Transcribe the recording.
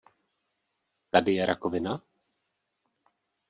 Tady je rakovina?